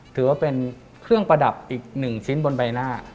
ถือว่าเป็นเครื่องประดับอีก๑ชิ้นบนใบหน้า